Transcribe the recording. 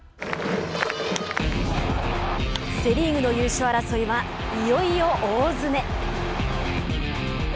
セ・リーグの優勝争いはいよいよ大詰め。